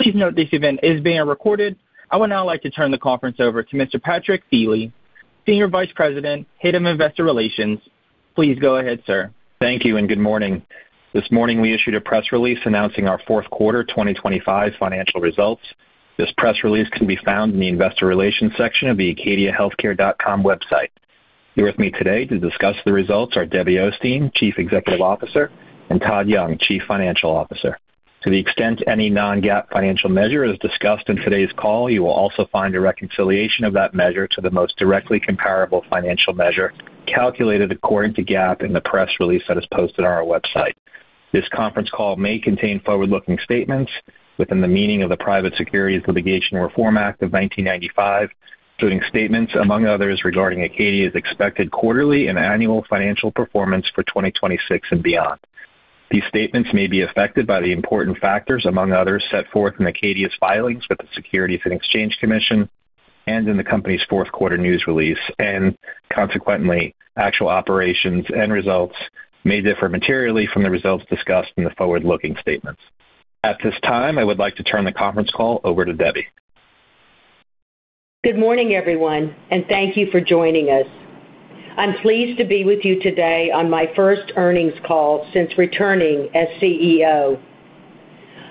Please note this event is being recorded. I would now like to turn the conference over to Mr. Patrick Feeley, Senior Vice President, Head of Investor Relations. Please go ahead, sir. Thank you. Good morning. This morning, we issued a press release announcing our fourth quarter 2025 financial results. This press release can be found in the Investor Relations section of the acadiahealthcare.com website. Here with me today to discuss the results are Debbie Osteen, Chief Executive Officer, and Todd Young, Chief Financial Officer. To the extent any non-GAAP financial measure is discussed in today's call, you will also find a reconciliation of that measure to the most directly comparable financial measure, calculated according to GAAP in the press release that is posted on our website. This conference call may contain forward-looking statements within the meaning of the Private Securities Litigation Reform Act of 1995, including statements, among others, regarding Acadia's expected quarterly and annual financial performance for 2026 and beyond. These statements may be affected by the important factors, among others, set forth in Acadia's filings with the Securities and Exchange Commission and in the company's fourth quarter news release, and consequently, actual operations and results may differ materially from the results discussed in the forward-looking statements. At this time, I would like to turn the conference call over to Debbie. Good morning, everyone. Thank you for joining us. I'm pleased to be with you today on my first earnings call since returning as CEO.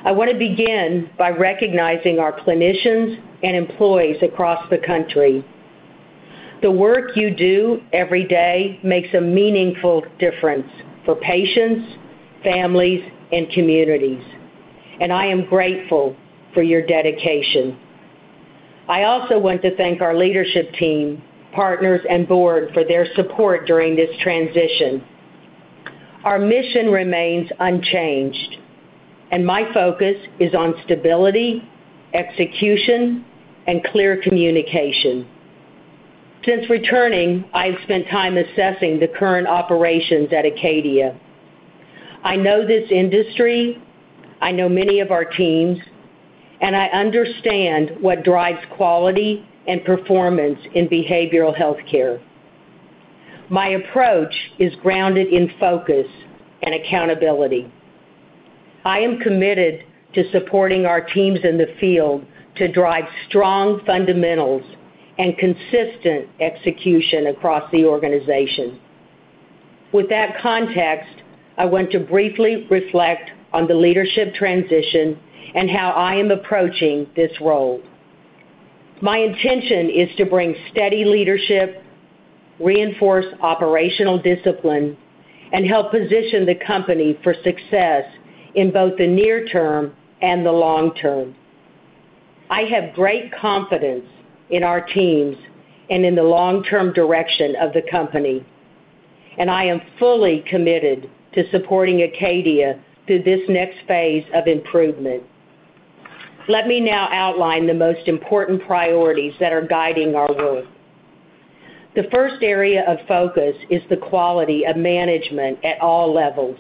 I want to begin by recognizing our clinicians and employees across the country. The work you do every day makes a meaningful difference for patients, families, and communities, and I am grateful for your dedication. I also want to thank our leadership team, partners, and board for their support during this transition. Our mission remains unchanged, and my focus is on stability, execution, and clear communication. Since returning, I've spent time assessing the current operations at Acadia. I know this industry, I know many of our teams, and I understand what drives quality and performance in behavioral health care. My approach is grounded in focus and accountability. I am committed to supporting our teams in the field to drive strong fundamentals and consistent execution across the organization. With that context, I want to briefly reflect on the leadership transition and how I am approaching this role. My intention is to bring steady leadership, reinforce operational discipline, and help position the company for success in both the near term and the long term. I have great confidence in our teams and in the long-term direction of the company, and I am fully committed to supporting Acadia through this next phase of improvement. Let me now outline the most important priorities that are guiding our work. The first area of focus is the quality of management at all levels.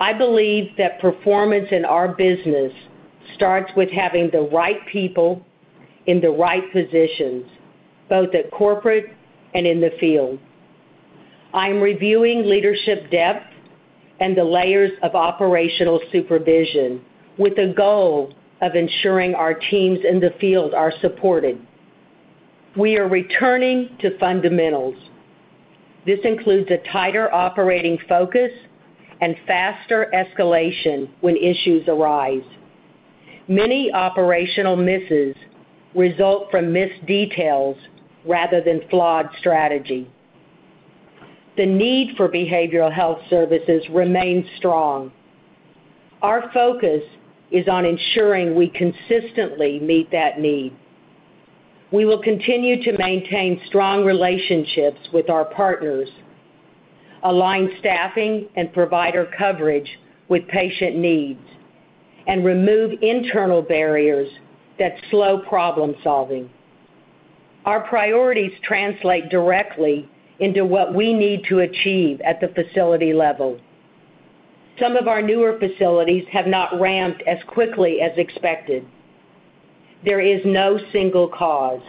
I believe that performance in our business starts with having the right people in the right positions, both at corporate and in the field. I am reviewing leadership depth and the layers of operational supervision with the goal of ensuring our teams in the field are supported. We are returning to fundamentals. This includes a tighter operating focus and faster escalation when issues arise. Many operational misses result from missed details rather than flawed strategy. The need for behavioral health services remains strong. Our focus is on ensuring we consistently meet that need. We will continue to maintain strong relationships with our partners, align staffing and provider coverage with patient needs, and remove internal barriers that slow problem-solving. Our priorities translate directly into what we need to achieve at the facility level. Some of our newer facilities have not ramped as quickly as expected. There is no single cause.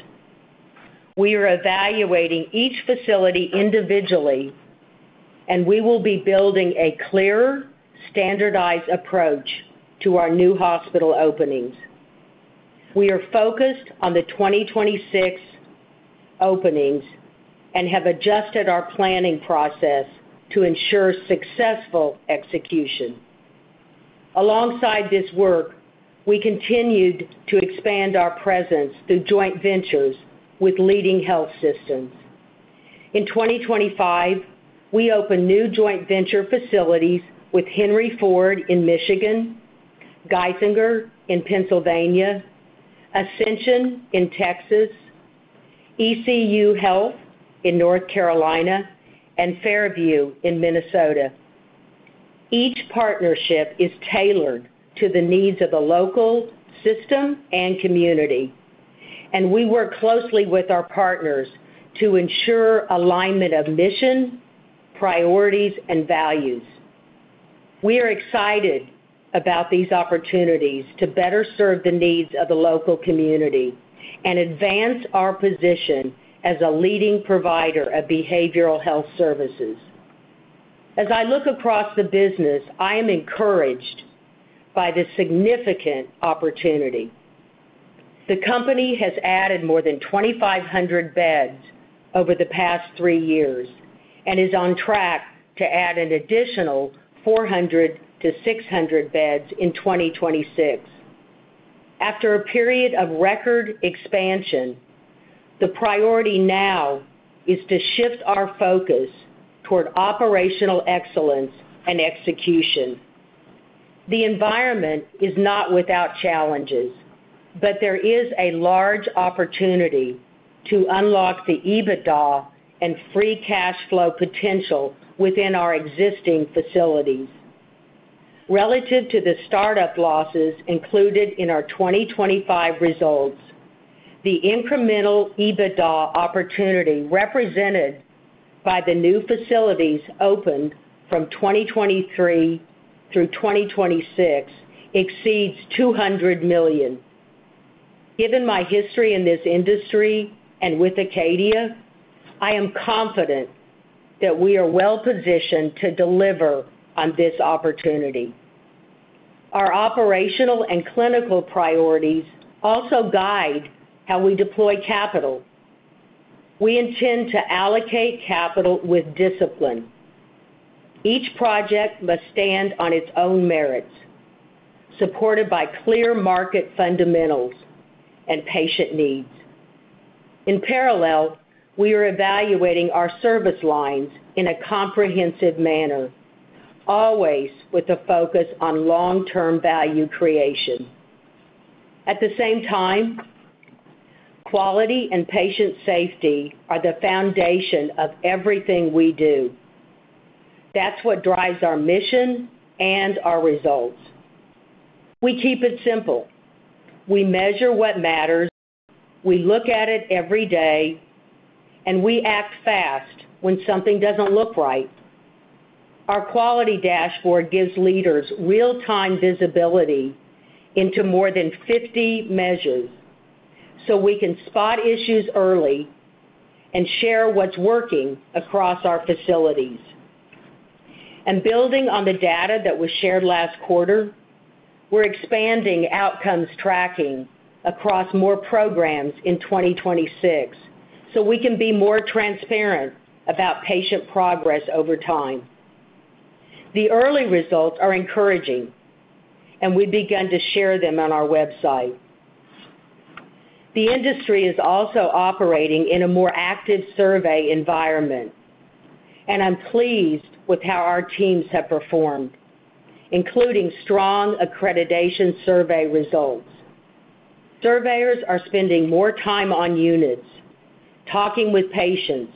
We are evaluating each facility individually, and we will be building a clearer, standardized approach to our new hospital openings. We are focused on the 2026 openings and have adjusted our planning process to ensure successful execution. Alongside this work, we continued to expand our presence through joint ventures with leading health systems. In 2025, we opened new joint venture facilities with Henry Ford in Michigan, Geisinger in Pennsylvania, Ascension in Texas, ECU Health in North Carolina, and Fairview in Minnesota. Each partnership is tailored to the needs of the local system and community, and we work closely with our partners to ensure alignment of mission, priorities, and values. We are excited about these opportunities to better serve the needs of the local community and advance our position as a leading provider of behavioral health services.... As I look across the business, I am encouraged by the significant opportunity. The company has added more than 2,500 beds over the past 3 years and is on track to add an additional 400-600 beds in 2026. After a period of record expansion, the priority now is to shift our focus toward operational excellence and execution. The environment is not without challenges, but there is a large opportunity to unlock the EBITDA and free cash flow potential within our existing facilities. Relative to the startup losses included in our 2025 results, the incremental EBITDA opportunity represented by the new facilities opened from 2023 through 2026 exceeds $200 million. Given my history in this industry and with Acadia, I am confident that we are well-positioned to deliver on this opportunity. Our operational and clinical priorities also guide how we deploy capital. We intend to allocate capital with discipline. Each project must stand on its own merits, supported by clear market fundamentals and patient needs. In parallel, we are evaluating our service lines in a comprehensive manner, always with a focus on long-term value creation. At the same time, quality and patient safety are the foundation of everything we do. That's what drives our mission and our results. We keep it simple. We measure what matters, we look at it every day, and we act fast when something doesn't look right. Our quality dashboard gives leaders real-time visibility into more than 50 measures, so we can spot issues early and share what's working across our facilities. Building on the data that was shared last quarter, we're expanding outcomes tracking across more programs in 2026, so we can be more transparent about patient progress over time. The early results are encouraging, and we've begun to share them on our website. The industry is also operating in a more active survey environment, and I'm pleased with how our teams have performed, including strong accreditation survey results. Surveyors are spending more time on units, talking with patients,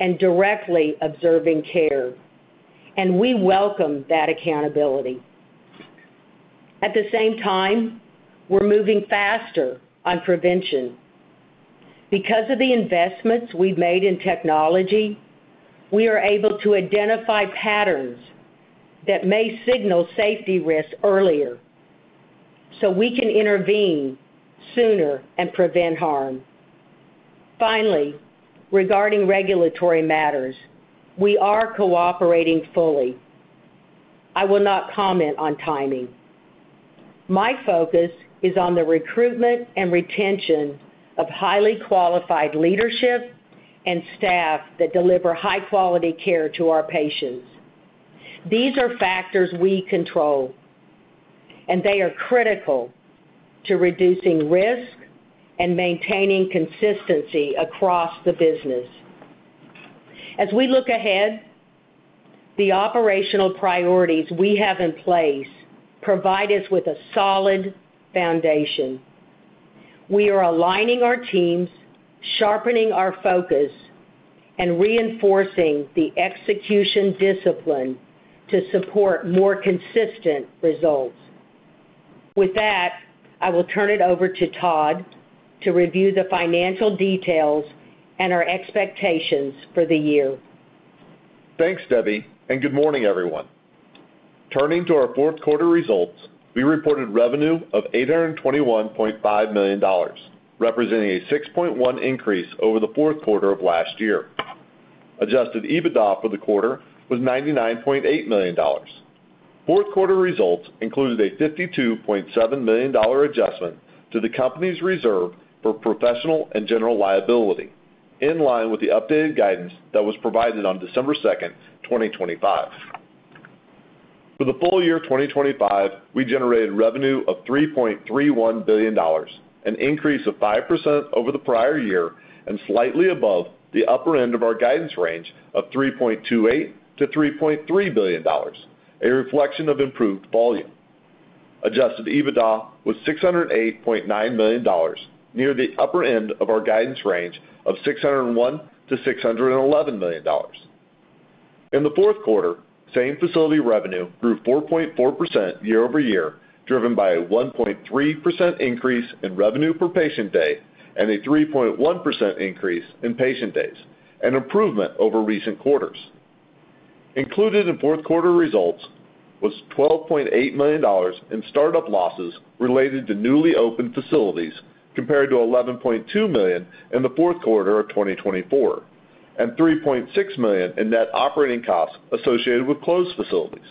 and directly observing care, and we welcome that accountability. At the same time, we're moving faster on prevention. Because of the investments we've made in technology, we are able to identify patterns that may signal safety risks earlier, so we can intervene sooner and prevent harm. Finally, regarding regulatory matters, we are cooperating fully. I will not comment on timing. My focus is on the recruitment and retention of highly qualified leadership and staff that deliver high-quality care to our patients. These are factors we control, and they are critical to reducing risk and maintaining consistency across the business. As we look ahead, the operational priorities we have in place provide us with a solid foundation. We are aligning our teams, sharpening our focus, and reinforcing the execution discipline to support more consistent results. With that, I will turn it over to Todd to review the financial details and our expectations for the year. Thanks, Debbie. Good morning, everyone. Turning to our fourth quarter results, we reported revenue of $821.5 million, representing a 6.1% increase over the fourth quarter of last year. Adjusted EBITDA for the quarter was $99.8 million. Fourth quarter results included a $52.7 million adjustment to the company's reserve for professional and general liability, in line with the updated guidance that was provided on December 2, 2025. For the full year of 2025, we generated revenue of $3.31 billion, an increase of 5% over the prior year, and slightly above the upper end of our guidance range of $3.28 billion-$3.3 billion, a reflection of improved volume. Adjusted EBITDA was $608.9 million, near the upper end of our guidance range of $601 million-$611 million. In the fourth quarter, same-facility revenue grew 4.4% year-over-year, driven by a 1.3% increase in revenue per patient day, and a 3.1% increase in patient days, an improvement over recent quarters. Included in fourth quarter results was $12.8 million in startup losses related to newly opened facilities, compared to $11.2 million in the fourth quarter of 2024, and $3.6 million in net operating costs associated with closed facilities.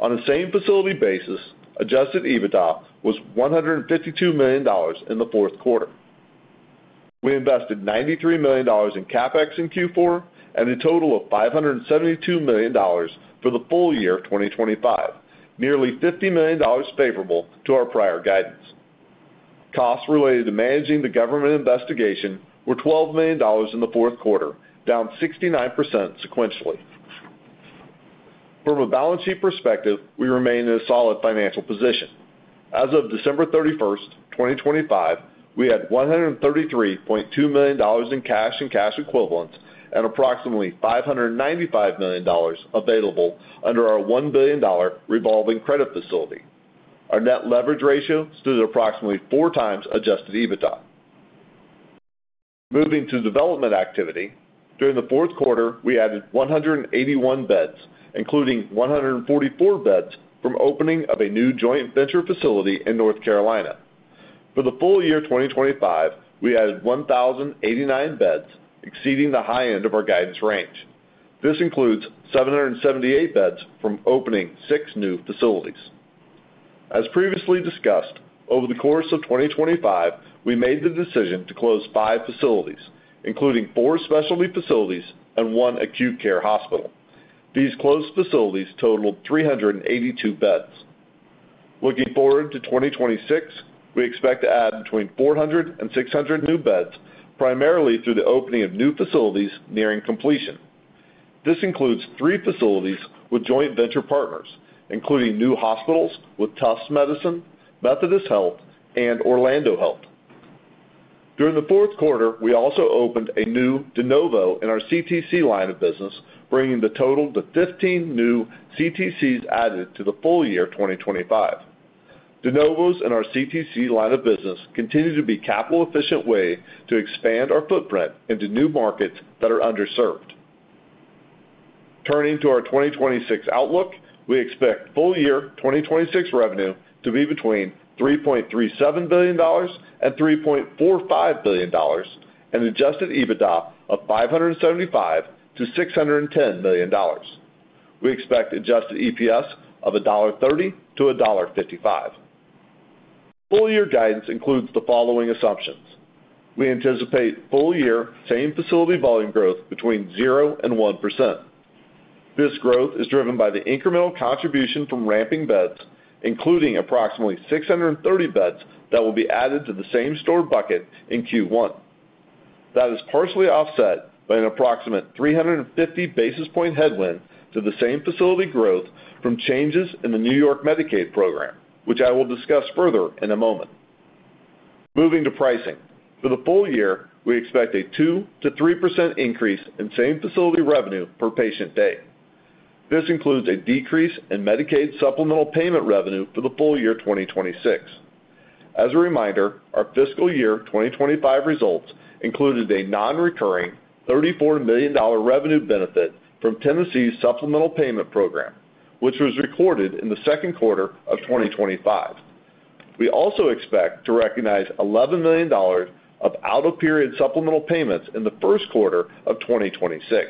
On a same-facility basis, Adjusted EBITDA was $152 million in the fourth quarter. We invested $93 million in CapEx in Q4, and a total of $572 million for the full year of 2025, nearly $50 million favorable to our prior guidance. Costs related to managing the government investigation were $12 million in the fourth quarter, down 69% sequentially. From a balance sheet perspective, we remain in a solid financial position. As of December 31, 2025, we had $133.2 million in cash and cash equivalents, and approximately $595 million available under our $1 billion revolving credit facility. Our net leverage ratio stood at approximately 4 times adjusted EBITDA. Moving to development activity. During the fourth quarter, we added 181 beds, including 144 beds, from opening of a new joint venture facility in North Carolina. For the full year 2025, we added 1,089 beds, exceeding the high end of our guidance range. This includes 778 beds from opening 6 new facilities. As previously discussed, over the course of 2025, we made the decision to close 5 facilities, including 4 specialty facilities and 1 acute care hospital. These closed facilities totaled 382 beds. Looking forward to 2026, we expect to add between 400 and 600 new beds, primarily through the opening of new facilities nearing completion. This includes 3 facilities with joint venture partners, including new hospitals with Tufts Medicine, Methodist Health, and Orlando Health. During the fourth quarter, we also opened a new de novo in our CTC line of business, bringing the total to 15 new CTCs added to the full year of 2025. De novos in our CTC line of business continue to be capital-efficient way to expand our footprint into new markets that are underserved. Turning to our 2026 outlook, we expect full year 2026 revenue to be between $3.37 billion and $3.45 billion, an adjusted EBITDA of $575 million-$610 million. We expect adjusted EPS of $1.30 to $1.55. Full year guidance includes the following assumptions. We anticipate full year same facility volume growth between 0% and 1%. This growth is driven by the incremental contribution from ramping beds, including approximately 630 beds that will be added to the same store bucket in Q1. That is partially offset by an approximate 350 basis point headwind to the same facility growth from changes in the New York Medicaid program, which I will discuss further in a moment. Moving to pricing. For the full year, we expect a 2%-3% increase in same facility revenue per patient day. This includes a decrease in Medicaid supplemental payment revenue for the full year, 2026. As a reminder, our fiscal year 2025 results included a non-recurring $34 million revenue benefit from Tennessee's supplemental payment program, which was recorded in the second quarter of 2025. We also expect to recognize $11 million of out-of-period supplemental payments in the first quarter of 2026.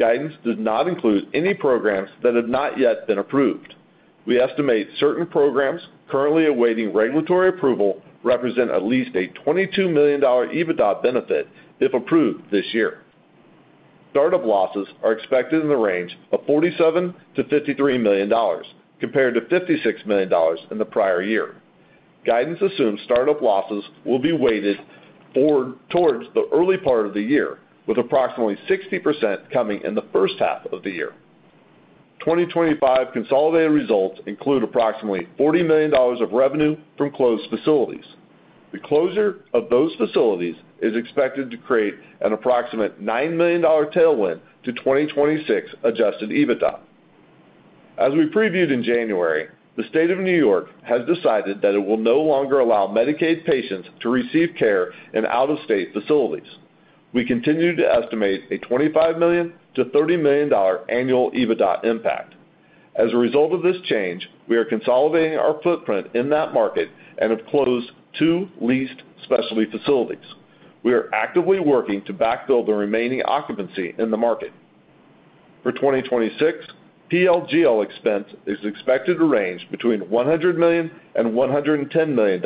Guidance does not include any programs that have not yet been approved. We estimate certain programs currently awaiting regulatory approval, represent at least a $22 million EBITDA benefit, if approved this year. Startup losses are expected in the range of $47 million-$53 million, compared to $56 million in the prior year. Guidance assumes startup losses will be weighted forward towards the early part of the year, with approximately 60% coming in the first half of the year. 2025 consolidated results include approximately $40 million of revenue from closed facilities. The closure of those facilities is expected to create an approximate $9 million tailwind to 2026 adjusted EBITDA. As we previewed in January, the State of New York has decided that it will no longer allow Medicaid patients to receive care in out-of-state facilities. We continue to estimate a $25 million-$30 million annual EBITDA impact. As a result of this change, we are consolidating our footprint in that market and have closed two leased specialty facilities. We are actively working to backfill the remaining occupancy in the market. For 2026, PLGL expense is expected to range between $100 million and $110 million,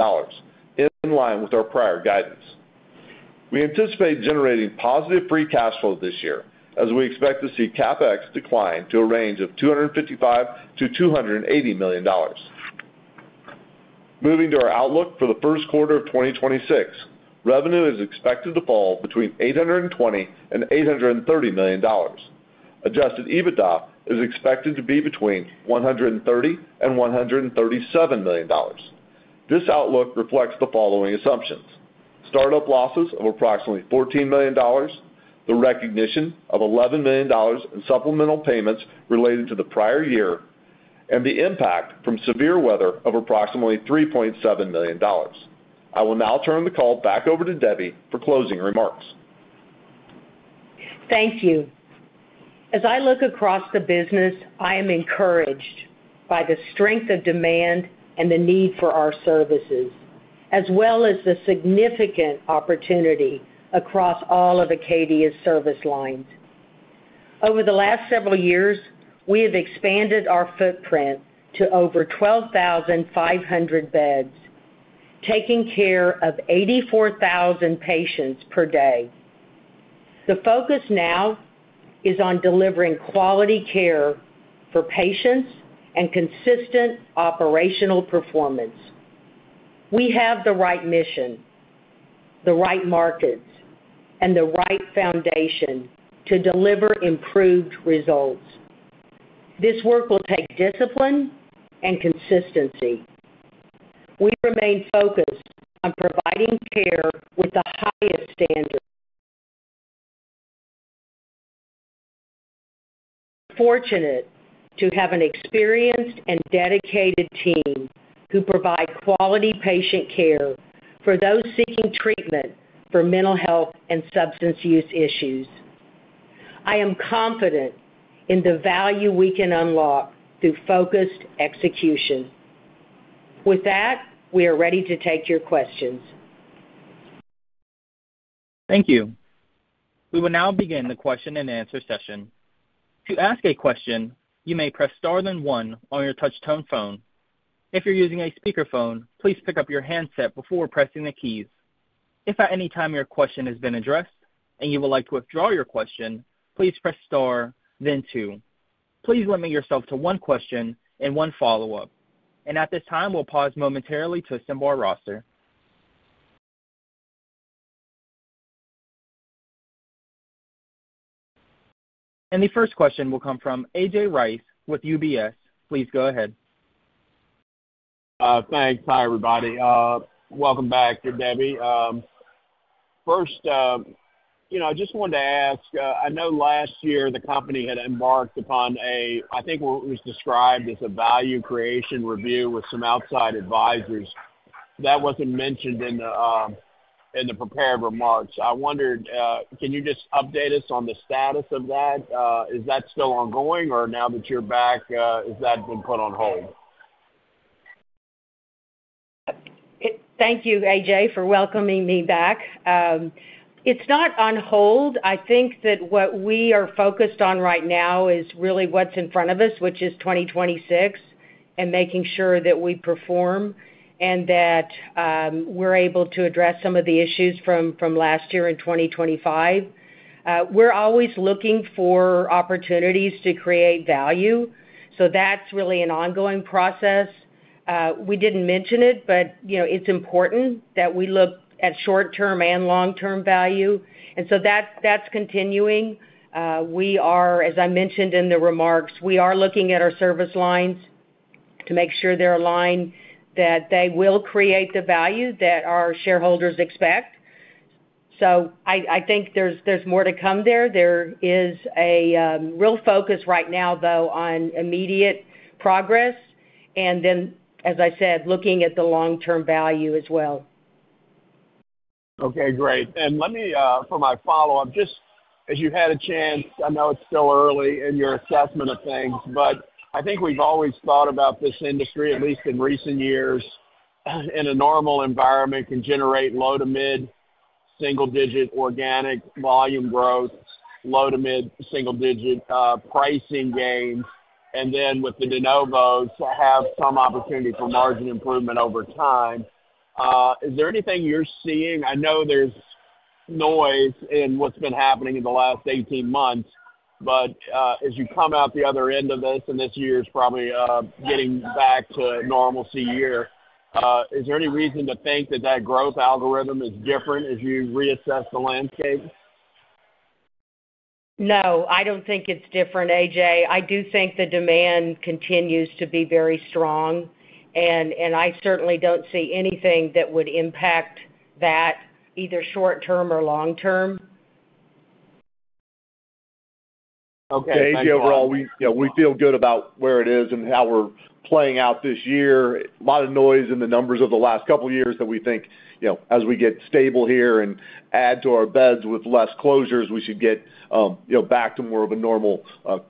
in line with our prior guidance. We anticipate generating positive free cash flow this year, as we expect to see CapEx decline to a range of $255 million-$280 million. Moving to our outlook for the first quarter of 2026, revenue is expected to fall between $820 million and $830 million. Adjusted EBITDA is expected to be between $130 million and $137 million. This outlook reflects the following assumptions: startup losses of approximately $14 million, the recognition of $11 million in supplemental payments related to the prior year, and the impact from severe weather of approximately $3.7 million. I will now turn the call back over to Debbie for closing remarks. Thank you. As I look across the business, I am encouraged by the strength of demand and the need for our services, as well as the significant opportunity across all of Acadia's service lines. Over the last several years, we have expanded our footprint to over 12,500 beds, taking care of 84,000 patients per day. The focus now is on delivering quality care for patients and consistent operational performance. We have the right mission, the right markets, and the right foundation to deliver improved results. This work will take discipline and consistency. We remain focused on providing care with the highest standards. Fortunate to have an experienced and dedicated team who provide quality patient care for those seeking treatment for mental health and substance use issues. I am confident in the value we can unlock through focused execution. With that, we are ready to take your questions. Thank you. We will now begin the question-and-answer session. To ask a question, you may press star then one on your touch tone phone. If you're using a speakerphone, please pick up your handset before pressing the keys. If at any time your question has been addressed and you would like to withdraw your question, please press star then two. Please limit yourself to one question and one follow-up. At this time, we'll pause momentarily to assemble our roster. The first question will come from A.J. Rice with UBS. Please go ahead. Thanks. Hi, everybody. Welcome back, Debbie. First, you know, I just wanted to ask, I know last year the company had embarked upon a, I think, what was described as a value creation review with some outside advisors. That wasn't mentioned in the, in the prepared remarks. I wondered, can you just update us on the status of that? Is that still ongoing, or now that you're back, has that been put on hold? Thank you, A.J., for welcoming me back. It's not on hold. I think that what we are focused on right now is really what's in front of us, which is 2026, and making sure that we perform and that we're able to address some of the issues from last year in 2025. We're always looking for opportunities to create value, that's really an ongoing process. We didn't mention it, you know, it's important that we look at short-term and long-term value, that's continuing. We are, as I mentioned in the remarks, we are looking at our service lines to make sure they're aligned, that they will create the value that our shareholders expect. I think there's more to come there. There is a real focus right now, though, on immediate progress, and then, as I said, looking at the long-term value as well. Okay, great. Let me, for my follow-up, just as you've had a chance, I know it's still early in your assessment of things, but I think we've always thought about this industry, at least in recent years, in a normal environment, can generate low to mid-single digit organic volume growth, low to mid-single digit pricing gains, and then with the de novos, have some opportunity for margin improvement over time. Is there anything you're seeing? I know there's noise in what's been happening in the last 18 months, but as you come out the other end of this, and this year is probably getting back to a normalcy year, is there any reason to think that that growth algorithm is different as you reassess the landscape? No, I don't think it's different, A.J. I do think the demand continues to be very strong, and I certainly don't see anything that would impact that, either short term or long term. Okay. A.J., overall, we, you know, we feel good about where it is and how we're playing out this year. A lot of noise in the numbers of the last couple of years that we think, you know, as we get stable here and add to our beds with less closures, we should get, you know, back to more of a normal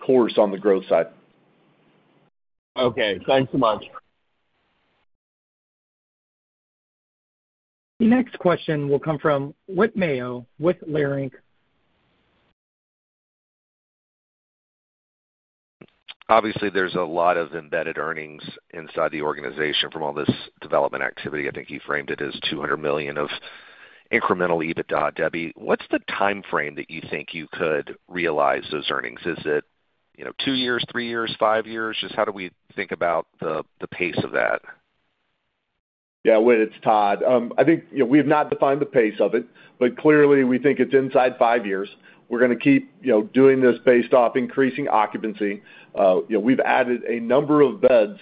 course on the growth side. Okay, thanks so much. The next question will come from Whit Mayo with Leerink. Obviously, there's a lot of embedded earnings inside the organization from all this development activity. I think you framed it as $200 million of incremental EBITDA. Debbie, what's the time frame that you think you could realize those earnings? Is it, you know, 2 years, 3 years, 5 years? Just how do we think about the pace of that? Yeah, Whit, it's Todd. I think, you know, we've not defined the pace of it, but clearly, we think it's inside 5 years. We're gonna keep, you know, doing this based off increasing occupancy. You know, we've added a number of beds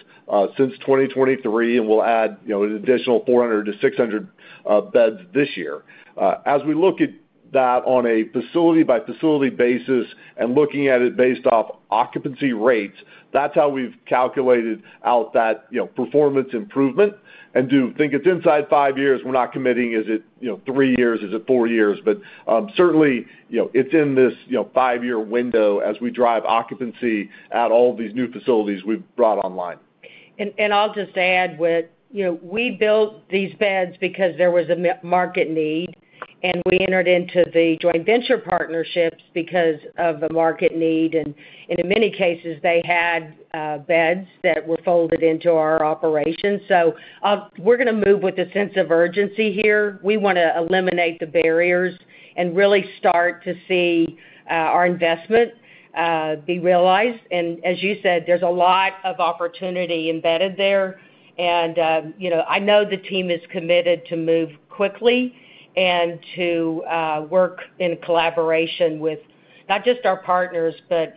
since 2023, and we'll add, you know, an additional 400-600 beds this year. As we look at that on a facility-by-facility basis and looking at it based off occupancy rates, that's how we've calculated out that, you know, performance improvement and do think it's inside 5 years. We're not committing is it, you know, 3 years, is it 4 years, but certainly, you know, it's in this, you know, 5-year window as we drive occupancy at all these new facilities we've brought online. I'll just add with, you know, we built these beds because there was a market need, and we entered into the joint venture partnerships because of the market need. In many cases, they had beds that were folded into our operations. We're gonna move with a sense of urgency here. We wanna eliminate the barriers and really start to see our investment be realized. As you said, there's a lot of opportunity embedded there. You know, I know the team is committed to move quickly and to work in collaboration with not just our partners, but.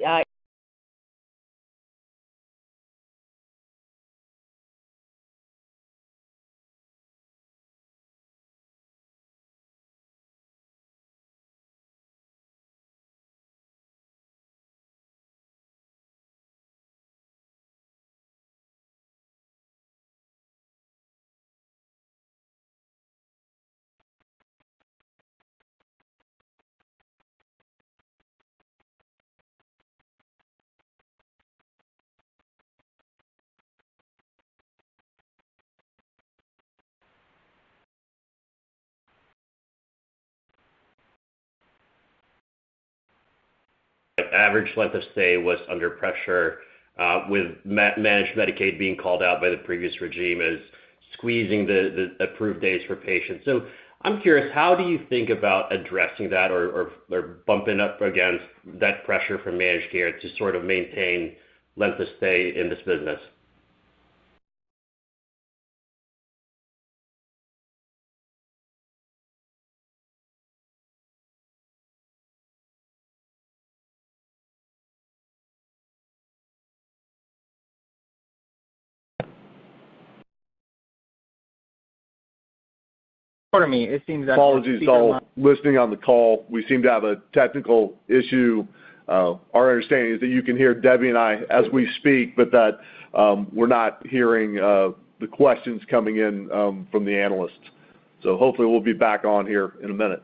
Average length of stay was under pressure, with managed Medicaid being called out by the previous regime as squeezing the approved days for patients. I'm curious, how do you think about addressing that or bumping up against that pressure from managed care to sort of maintain length of stay in this business? For me, it seems. Apologies to all listening on the call. We seem to have a technical issue. Our understanding is that you can hear Debbie and I as we speak, but that we're not hearing the questions coming in from the analysts. Hopefully, we'll be back on here in a minute.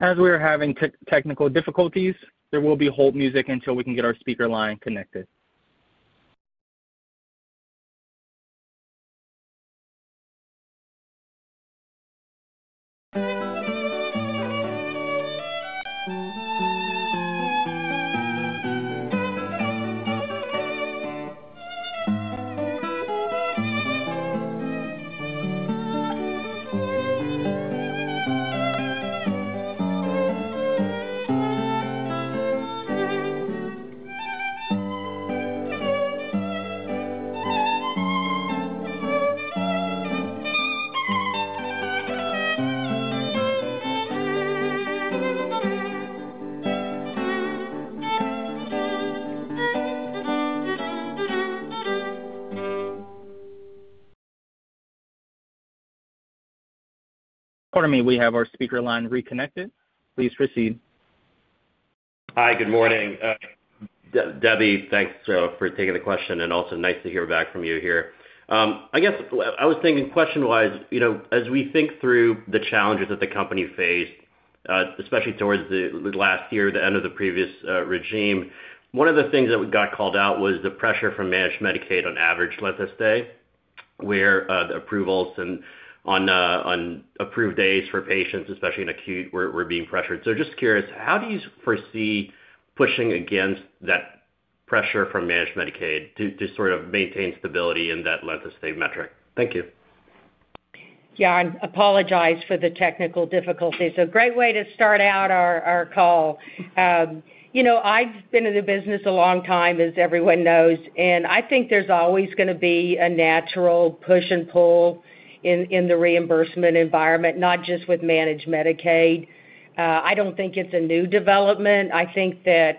As we are having technical difficulties, there will be hold music until we can get our speaker line connected. We have our speaker line reconnected. Please proceed. Hi, good morning. Debbie, thanks for taking the question, and also nice to hear back from you here. I guess I was thinking, question-wise, you know, as we think through the challenges that the company faced, especially towards the last year, the end of the previous regime, one of the things that we got called out was the pressure from managed Medicaid on average length of stay, where the approvals and on the, on approved days for patients, especially in acute, were being pressured. Just curious, how do you foresee pushing against that pressure from managed Medicaid to sort of maintain stability in that length of stay metric? Thank you. Yeah, apologize for the technical difficulties. A great way to start out our call. You know, I've been in the business a long time, as everyone knows, and I think there's always gonna be a natural push and pull in the reimbursement environment, not just with managed Medicaid. I don't think it's a new development. I think that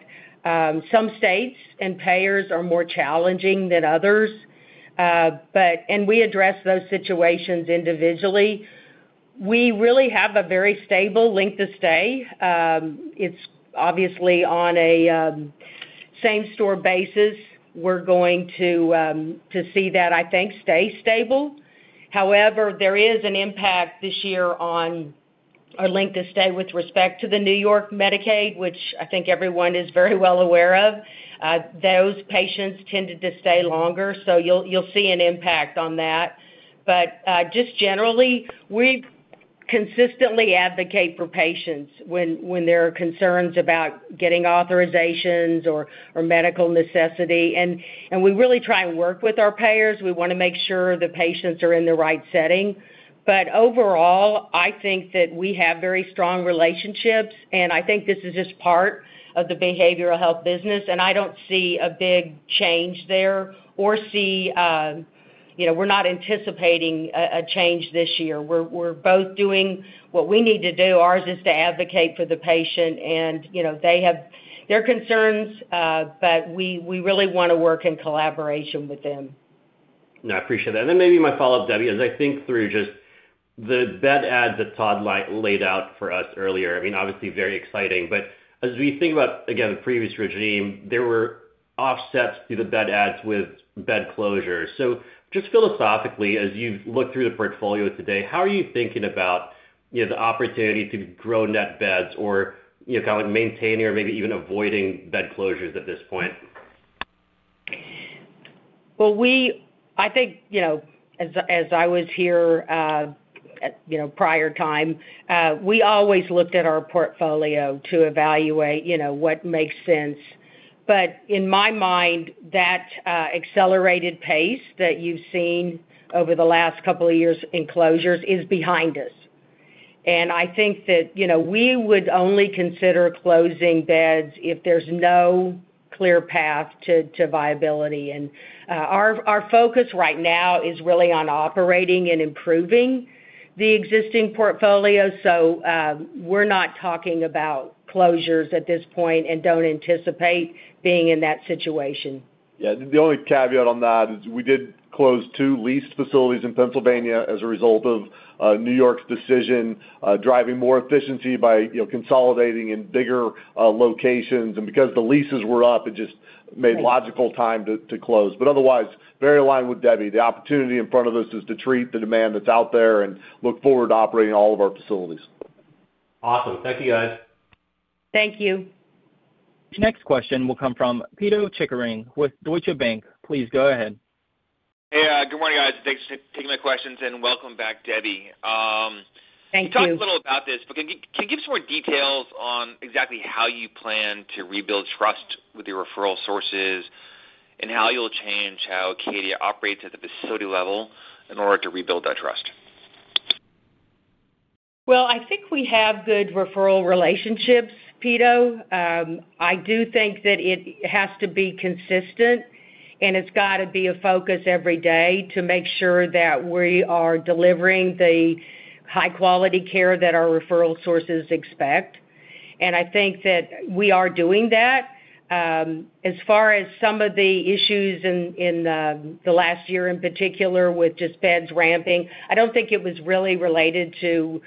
some states and payers are more challenging than others, but. We address those situations individually. We really have a very stable length of stay. It's obviously on a same store basis. We're going to see that, I think, stay stable. However, there is an impact this year on our length of stay with respect to the New York Medicaid, which I think everyone is very well aware of. Those patients tended to stay longer, you'll see an impact on that. Just generally, we consistently advocate for patients when there are concerns about getting authorizations or medical necessity. We really try and work with our payers. We wanna make sure the patients are in the right setting. Overall, I think that we have very strong relationships, and I think this is just part of the behavioral health business, and I don't see a big change there or see, you know, we're not anticipating a change this year. We're both doing what we need to do. Ours is to advocate for the patient, and, you know, they have their concerns, we really wanna work in collaboration with them.... No, I appreciate that. Maybe my follow-up, Debbie, as I think through just the bed adds that Todd laid out for us earlier, I mean, obviously very exciting. As we think about, again, the previous regime, there were offsets to the bed adds with bed closures. Just philosophically, as you've looked through the portfolio today, how are you thinking about, you know, the opportunity to grow net beds or, you know, kind of maintaining or maybe even avoiding bed closures at this point? Well, I think, you know, as I was here, you know, prior time, we always looked at our portfolio to evaluate, you know, what makes sense. In my mind, that accelerated pace that you've seen over the last couple of years in closures is behind us. I think that, you know, we would only consider closing beds if there's no clear path to viability. Our focus right now is really on operating and improving the existing portfolio. We're not talking about closures at this point and don't anticipate being in that situation. The only caveat on that is we did close two leased facilities in Pennsylvania as a result of New York's decision, driving more efficiency by, you know, consolidating in bigger locations. Because the leases were up, it just made logical time to close. Otherwise, very aligned with Debbie. The opportunity in front of us is to treat the demand that's out there and look forward to operating all of our facilities. Awesome. Thank you, guys. Thank you. The next question will come from Pito Chickering with Deutsche Bank. Please go ahead. Hey, good morning, guys. Thanks for taking my questions, and welcome back, Debbie. Thank you. You talked a little about this, but can you give us more details on exactly how you plan to rebuild trust with your referral sources, and how you'll change how Acadia operates at the facility level in order to rebuild that trust? Well, I think we have good referral relationships, Peter. I do think that it has to be consistent, and it's got to be a focus every day to make sure that we are delivering the high-quality care that our referral sources expect. I think that we are doing that. As far as some of the issues in the last year in particular with just beds ramping, I don't think it was really related to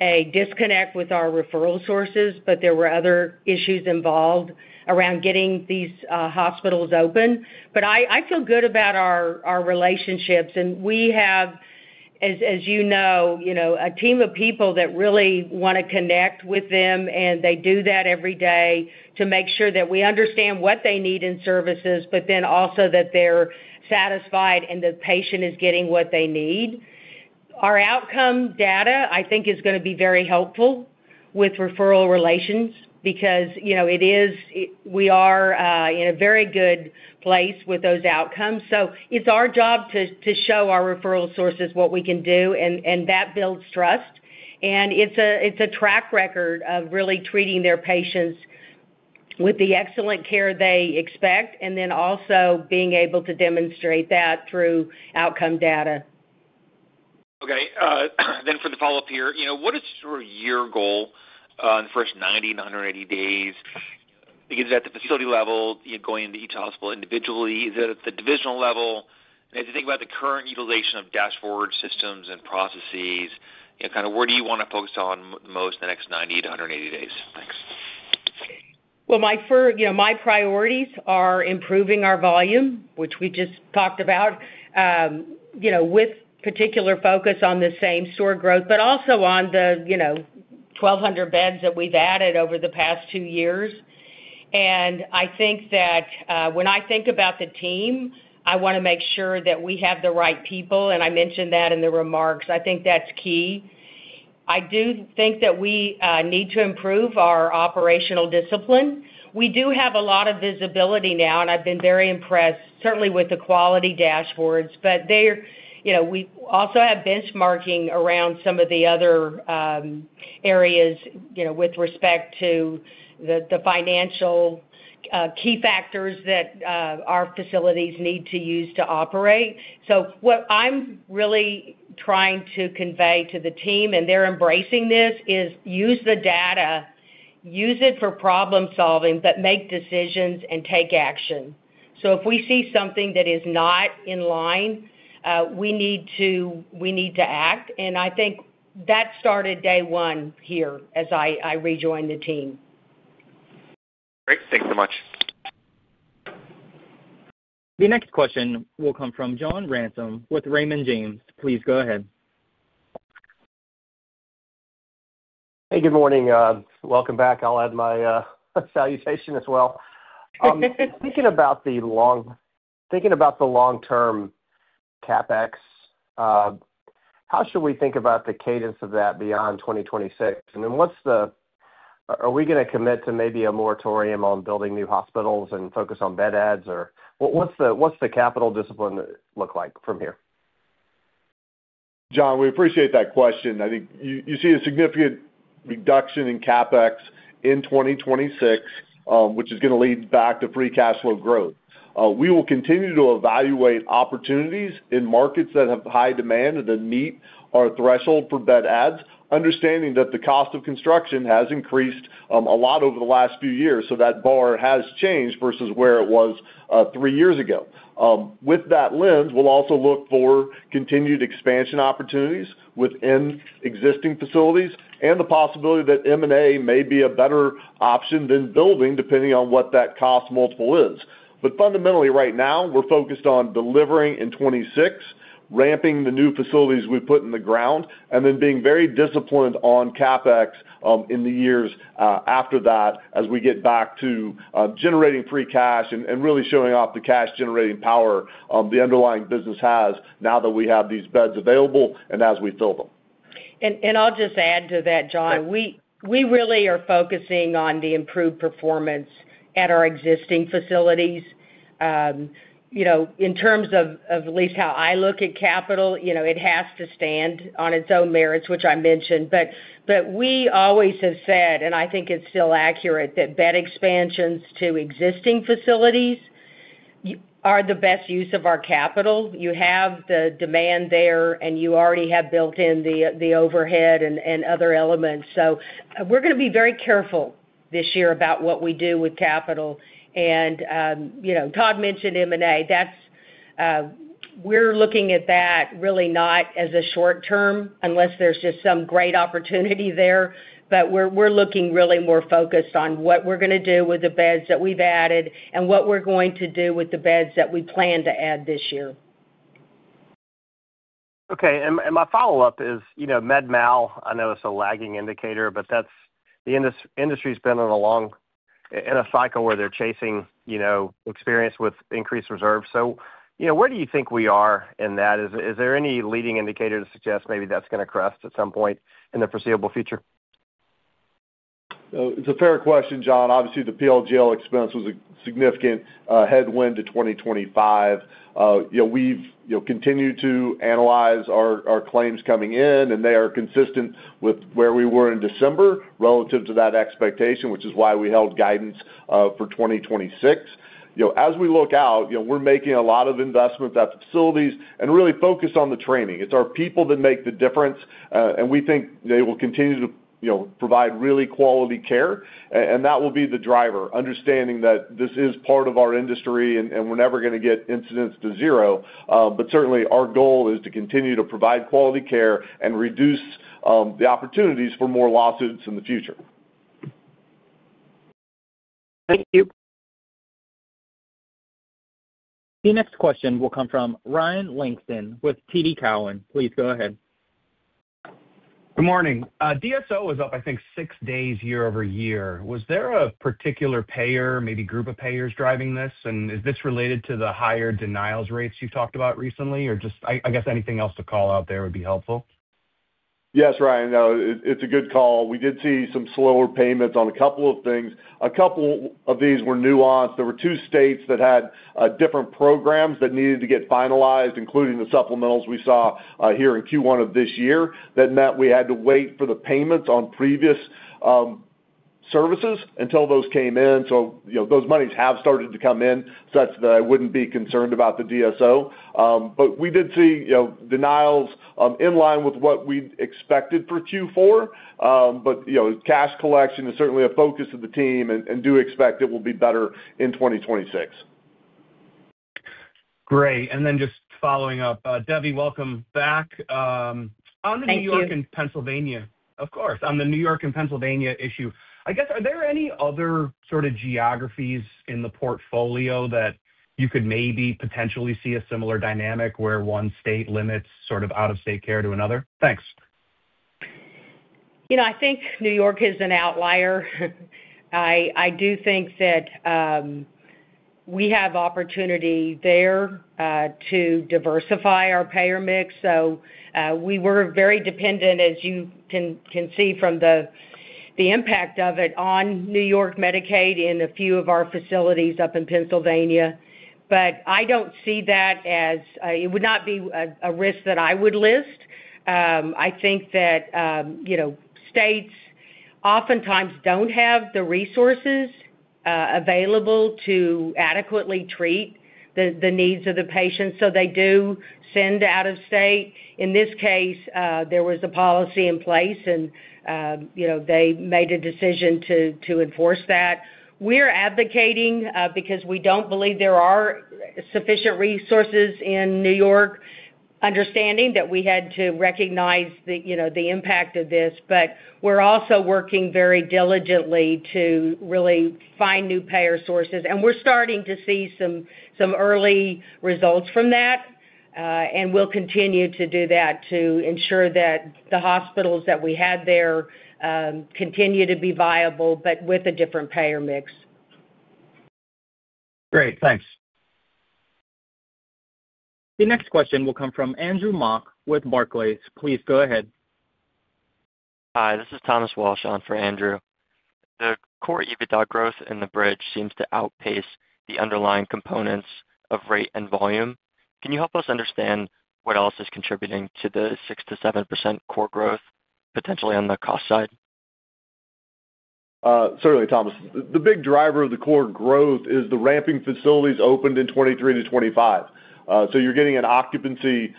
a disconnect with our referral sources, but there were other issues involved around getting these hospitals open. I feel good about our relationships, and we have, as you know, a team of people that really wanna connect with them, and they do that every day to make sure that we understand what they need in services, but then also that they're satisfied and the patient is getting what they need. Our outcome data, I think, is gonna be very helpful with referral relations because, you know, it is, we are in a very good place with those outcomes. It's our job to show our referral sources what we can do, and that builds trust. It's a track record of really treating their patients with the excellent care they expect, and then also being able to demonstrate that through outcome data. For the follow-up here, you know, what is sort of your goal in the first 90 to 180 days? Because at the facility level, you're going into each hospital individually, is it at the divisional level? As you think about the current utilization of dashboard systems and processes, you know, kind of where do you wanna focus on most in the next 90 to 180 days? Thanks. Well, you know, my priorities are improving our volume, which we just talked about, you know, with particular focus on the same store growth, but also on the, you know, 1,200 beds that we've added over the past 2 years. I think that when I think about the team, I wanna make sure that we have the right people, and I mentioned that in the remarks. I think that's key. I do think that we need to improve our operational discipline. We do have a lot of visibility now, and I've been very impressed, certainly with the quality dashboards. They're, you know, we also have benchmarking around some of the other areas, you know, with respect to the financial key factors that our facilities need to use to operate. What I'm really trying to convey to the team, and they're embracing this, is use the data, use it for problem-solving, but make decisions and take action. If we see something that is not in line, we need to act, and I think that started day one here as I rejoined the team. Great. Thanks so much. The next question will come from John Ransom with Raymond James. Please go ahead. Hey, good morning. Welcome back. I'll add my salutation as well. Thinking about the long-term CapEx, how should we think about the cadence of that beyond 2026? Are we gonna commit to maybe a moratorium on building new hospitals and focus on bed adds, or what's the capital discipline look like from here? John, we appreciate that question. I think you see a significant reduction in CapEx in 2026, which is gonna lead back to free cash flow growth. We will continue to evaluate opportunities in markets that have high demand and that meet our threshold for bed adds, understanding that the cost of construction has increased a lot over the last few years, so that bar has changed versus where it was three years ago. With that lens, we'll also look for continued expansion opportunities within existing facilities and the possibility that M&A may be a better option than building, depending on what that cost multiple is. Fundamentally, right now, we're focused on delivering in 26, ramping the new facilities we've put in the ground, and then being very disciplined on CapEx in the years after that, as we get back to generating free cash and really showing off the cash-generating power the underlying business has now that we have these beds available and as we fill them. I'll just add to that, John. We really are focusing on the improved performance at our existing facilities. you know, in terms of at least how I look at capital, you know, it has to stand on its own merits, which I mentioned. we always have said, and I think it's still accurate, that bed expansions to existing facilities are the best use of our capital. You have the demand there, and you already have built in the overhead and other elements. We're gonna be very careful this year about what we do with capital. you know, Todd mentioned M&A. That's, we're looking at that really not as a short term, unless there's just some great opportunity there, but we're looking really more focused on what we're gonna do with the beds that we've added and what we're going to do with the beds that we plan to add this year. Okay, my follow-up is, you know, med mal. I know it's a lagging indicator, but the industry's been on a long, in a cycle where they're chasing, you know, experience with increased reserves. You know, where do you think we are in that? Is there any leading indicator to suggest maybe that's gonna crest at some point in the foreseeable future? It's a fair question, John. Obviously, the PLGL expense was a significant headwind to 2025. You know, we've, you know, continued to analyze our claims coming in, and they are consistent with where we were in December relative to that expectation, which is why we held guidance for 2026. You know, as we look out, you know, we're making a lot of investment at the facilities and really focused on the training. It's our people that make the difference, and we think they will continue to, you know, provide really quality care, and that will be the driver, understanding that this is part of our industry, and we're never gonna get incidents to zero. Certainly, our goal is to continue to provide quality care and reduce the opportunities for more lawsuits in the future. Thank you. The next question will come from Ryan Langston with TD Cowen. Please go ahead. Good morning. DSO was up, I think, 6 days year-over-year. Was there a particular payer, maybe group of payers, driving this? Is this related to the higher denials rates you talked about recently, or just I guess anything else to call out there would be helpful. Yes, Ryan, no, it's a good call. We did see some slower payments on a couple of things. A couple of these were nuanced. There were 2 states that had different programs that needed to get finalized, including the supplementals we saw here in Q1 of this year. That meant we had to wait for the payments on previous services until those came in. You know, those monies have started to come in, such that I wouldn't be concerned about the DSO. We did see, you know, denials in line with what we'd expected for Q4. You know, cash collection is certainly a focus of the team and do expect it will be better in 2026. Great. Then just following up, Debbie, welcome back. Thank you. On the New York and Pennsylvania issue, I guess, are there any other sort of geographies in the portfolio that you could maybe potentially see a similar dynamic, where one state limits sort of out-of-state care to another? Thanks. You know, I think New York is an outlier. I do think that, we have opportunity there, to diversify our payer mix. We were very dependent, as you can see from the impact of it on New York Medicaid in a few of our facilities up in Pennsylvania. I don't see that as, it would not be a risk that I would list. I think that, you know, states oftentimes don't have the resources, available to adequately treat the needs of the patients, so they do send out of state. In this case, there was a policy in place, and, you know, they made a decision to enforce that. We're advocating, because we don't believe there are sufficient resources in New York, understanding that we had to recognize the, you know, the impact of this. We're also working very diligently to really find new payer sources, and we're starting to see some early results from that. We'll continue to do that to ensure that the hospitals that we had there, continue to be viable, but with a different payer mix. Great. Thanks. The next question will come from Andrew Mok with Barclays. Please go ahead. Hi, this is Thomas Walsh on for Andrew. The core EBITDA growth in the bridge seems to outpace the underlying components of rate and volume. Can you help us understand what else is contributing to the 6% to 7% core growth, potentially on the cost side? Certainly, Thomas. The big driver of the core growth is the ramping facilities opened in 23 to 25. You're getting an occupancy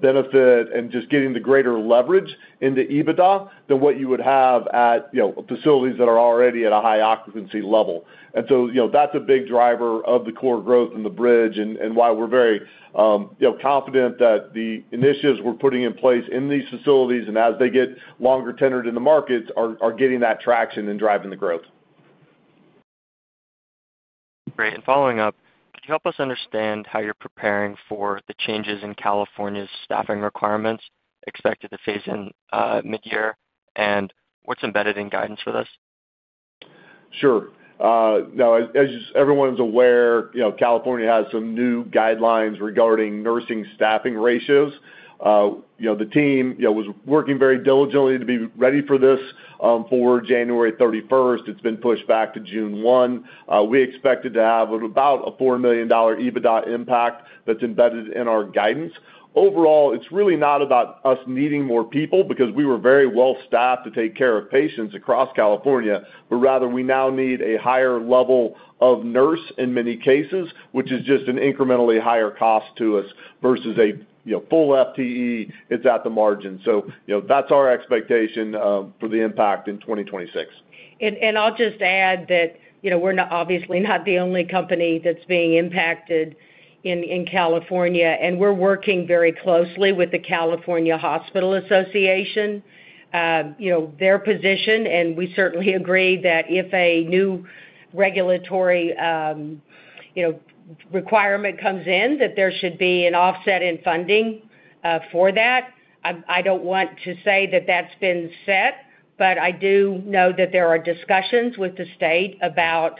benefit and just getting the greater leverage into EBITDA than what you would have at, you know, facilities that are already at a high occupancy level. You know, that's a big driver of the core growth in the bridge and why we're very, you know, confident that the initiatives we're putting in place in these facilities, and as they get longer tenured in the markets, are getting that traction and driving the growth. Great. Following up, could you help us understand how you're preparing for the changes in California's staffing requirements expected to phase in midyear? What's embedded in guidance for this? Sure. Now, as everyone's aware, you know, California has some new guidelines regarding nursing staffing ratios. You know, the team, you know, was working very diligently to be ready for this, for January 31st. It's been pushed back to June 1. We expected to have about a $4 million EBITDA impact that's embedded in our guidance. Overall, it's really not about us needing more people, because we were very well staffed to take care of patients across California. Rather, we now need a higher level of nurse in many cases, which is just an incrementally higher cost to us versus a, you know, full FTE. It's at the margin. You know, that's our expectation, for the impact in 2026. I'll just add that, you know, we're not, obviously, not the only company that's being impacted in California, and we're working very closely with the California Hospital Association. You know, their position, and we certainly agree, that if a new regulatory, you know, requirement comes in, that there should be an offset in funding for that. I don't want to say that that's been set, but I do know that there are discussions with the state about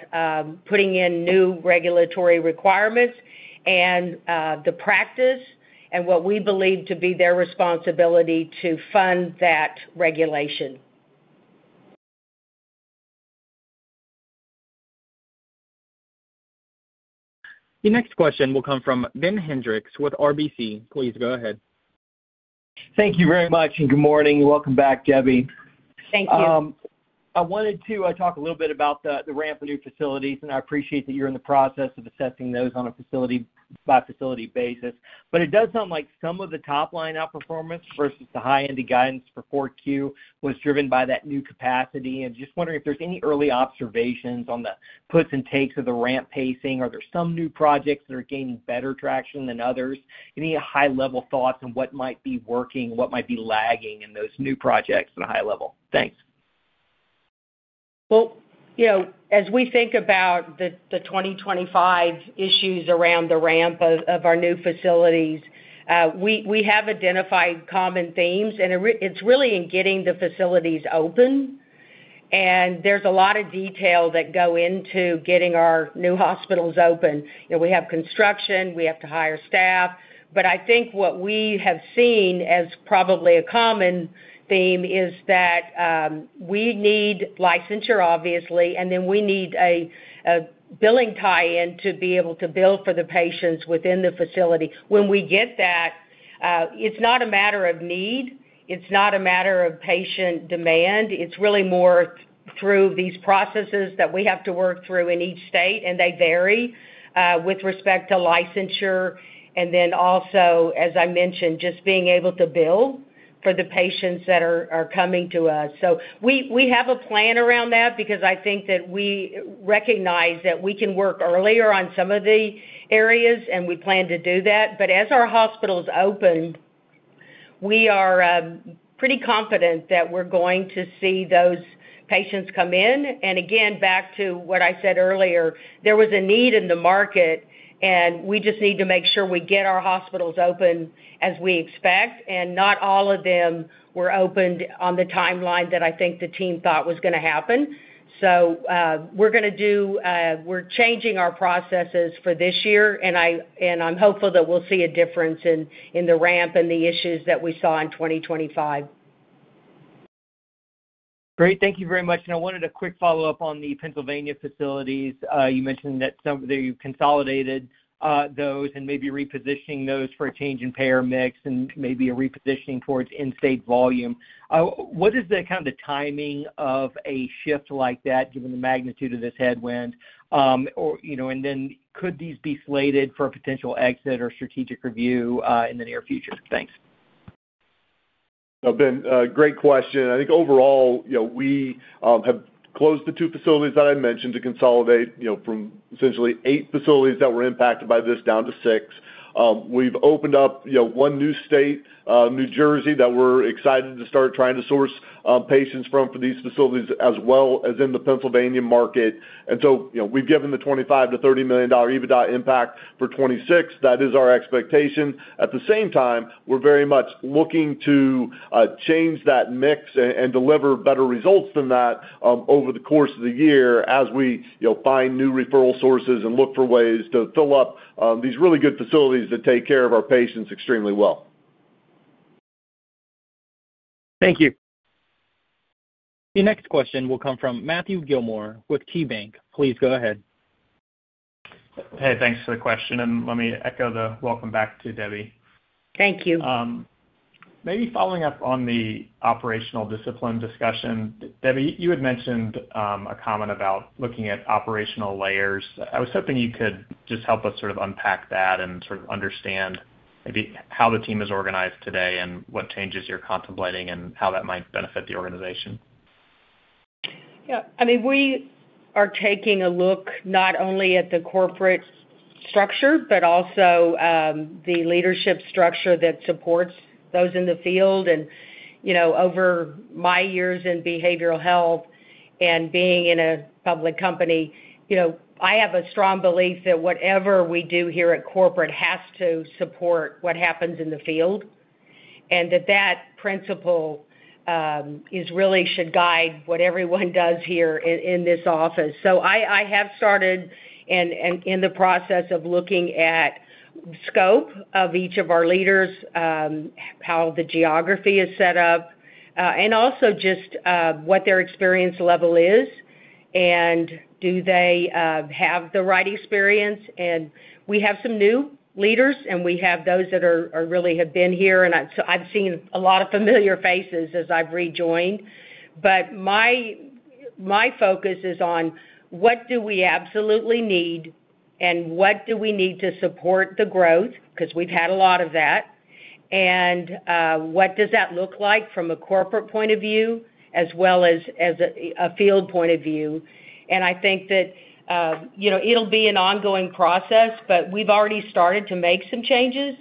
putting in new regulatory requirements and the practice and what we believe to be their responsibility to fund that regulation. The next question will come from Ben Hendrix with RBC. Please go ahead. Thank you very much, and good morning. Welcome back, Debbie. Thank you. I wanted to talk a little bit about the ramp of new facilities, and I appreciate that you're in the process of assessing those on a facility-by-facility basis. It does sound like some of the top-line outperformance versus the high end of guidance for 4Q was driven by that new capacity. Just wondering if there's any early observations on the puts and takes of the ramp pacing. Are there some new projects that are gaining better traction than others? Any high-level thoughts on what might be working, what might be lagging in those new projects at a high level? Thanks. Well, you know, as we think about the 2025 issues around the ramp of our new facilities, we have identified common themes, and it's really in getting the facilities open. There's a lot of detail that go into getting our new hospitals open. You know, we have construction, we have to hire staff, but I think what we have seen as probably a common theme is that we need licensure, obviously, and then we need a billing tie-in to be able to bill for the patients within the facility. When we get that, it's not a matter of need, it's not a matter of patient demand, it's really more through these processes that we have to work through in each state, and they vary with respect to licensure, and then also, as I mentioned, just being able to bill for the patients that are coming to us. We, we have a plan around that because I think that we recognize that we can work earlier on some of the areas, and we plan to do that. As our hospitals open, we are pretty confident that we're going to see those patients come in. Again, back to what I said earlier, there was a need in the market, and we just need to make sure we get our hospitals open as we expect, and not all of them were opened on the timeline that I think the team thought was gonna happen. We're changing our processes for this year, and I'm hopeful that we'll see a difference in the ramp and the issues that we saw in 2025. Great. Thank you very much. I wanted a quick follow-up on the Pennsylvania facilities. You mentioned that you've consolidated, those and maybe repositioning those for a change in payer mix and maybe a repositioning towards in-state volume. What is the kind of the timing of a shift like that, given the magnitude of this headwind? Or, you know, could these be slated for a potential exit or strategic review, in the near future? Thanks. Ben, great question. I think overall, you know, we have closed the 2 facilities that I mentioned to consolidate, you know, from essentially 8 facilities that were impacted by this down to 6. We've opened up, you know, 1 new state, New Jersey, that we're excited to start trying to source patients from for these facilities as well as in the Pennsylvania market. You know, we've given the $25 million-$30 million EBITDA impact for 2026. That is our expectation. At the same time, we're very much looking to change that mix and deliver better results than that over the course of the year, as we, you know, find new referral sources and look for ways to fill up these really good facilities that take care of our patients extremely well. Thank you. The next question will come from Matthew Gilmore with KeyBanc. Please go ahead. Hey, thanks for the question, and let me echo the welcome back to Debbie. Thank you. Maybe following up on the operational discipline discussion, Debbie, you had mentioned a comment about looking at operational layers. I was hoping you could just help us sort of unpack that and sort of understand maybe how the team is organized today and what changes you're contemplating and how that might benefit the organization. Yeah, I mean, we are taking a look not only at the corporate structure, but also the leadership structure that supports those in the field. You know, over my years in behavioral health and being in a public company, you know, I have a strong belief that whatever we do here at corporate has to support what happens in the field, and that that principle is really should guide what everyone does here in this office. I have started and in the process of looking at scope of each of our leaders, how the geography is set up, and also just what their experience level is, and do they have the right experience? We have some new leaders, and we have those that are really have been here, so I've seen a lot of familiar faces as I've rejoined. My focus is on what do we absolutely need, and what do we need to support the growth, 'cause we've had a lot of that, and what does that look like from a corporate point of view as well as a field point of view? I think that, you know, it'll be an ongoing process, but we've already started to make some changes,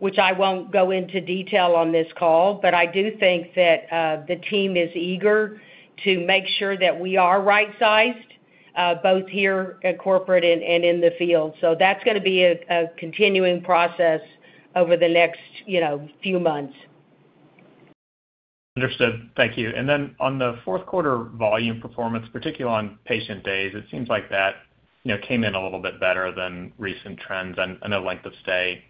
which I won't go into detail on this call. I do think that the team is eager to make sure that we are right-sized, both here at corporate and in the field. That's gonna be a continuing process over the next, you know, few months. Understood. Thank you. Then on the fourth quarter volume performance, particularly on patient days, it seems like that, you know, came in a little bit better than recent trends, and I know length of stay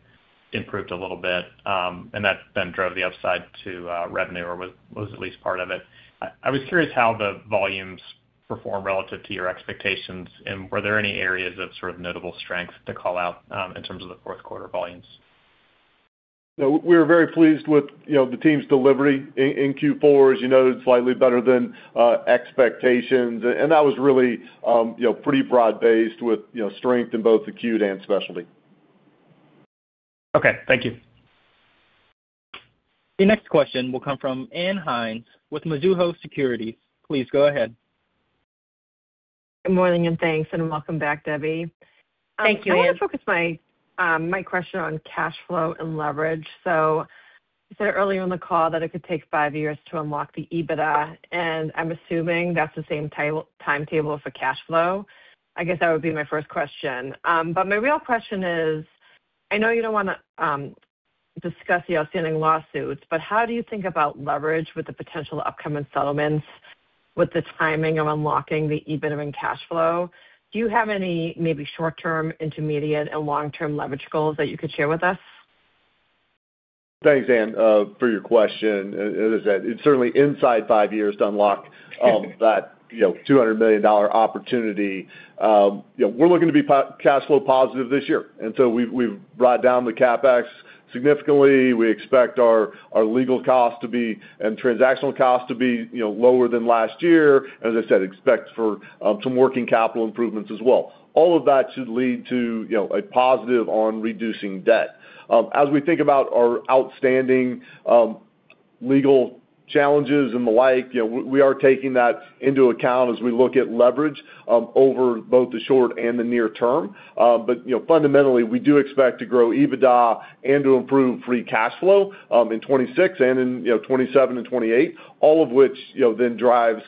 improved a little bit, and that then drove the upside to revenue, or was at least part of it. I was curious how the volumes performed relative to your expectations, and were there any areas of sort of notable strength to call out, in terms of the fourth quarter volumes? No, we were very pleased with, you know, the team's delivery in Q4. As you know, it's slightly better than expectations. That was really, you know, pretty broad-based with, you know, strength in both acute and specialty. Okay, thank you. Your next question will come from Ann Hynes with Mizuho Securities. Please go ahead. Good morning, and thanks, and welcome back, Debbie. Thank you, Ann. I want to focus my question on cash flow and leverage. You said earlier in the call that it could take 5 years to unlock the EBITDA, and I'm assuming that's the same timetable for cash flow. I guess that would be my first question. My real question is: I know you don't wanna discuss the outstanding lawsuits, but how do you think about leverage with the potential upcoming settlements, with the timing of unlocking the EBITDA and cash flow? Do you have any maybe short-term, intermediate, and long-term leverage goals that you could share with us? Thanks, Ann, for your question. As I said, it's certainly inside 5 years to unlock, that, you know, $200 million opportunity. You know, we're looking to be cash flow positive this year, and so we've brought down the CapEx significantly. We expect our legal costs to be, and transactional costs to be, you know, lower than last year. As I said, expect for some working capital improvements as well. All of that should lead to, you know, a positive on reducing debt. As we think about our outstanding legal challenges and the like, you know, we are taking that into account as we look at leverage over both the short and the near term. But, you know, fundamentally, we do expect to grow EBITDA and to improve free cash flow in 26 and in, you know, 27 and 28, all of which, you know, then drives